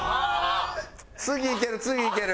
次いける次いける。